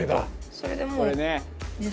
それでもう。